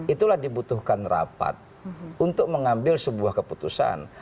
itulah dibutuhkan rapat untuk mengambil sebuah keputusan